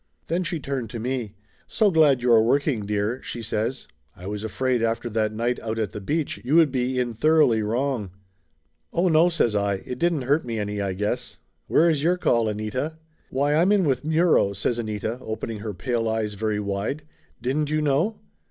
Then she turned to me. "So glad you are working, dear," she says. "I was afraid after that night out at the beach you would be in thoroughly wrong !" "Oh, no!" says I. "It didn't hurt me any, I guess \ Where is your call, Anita?" "Why, I'm with Muro!" says Anita, opening her pale eyes very wide. "Didn't you know?"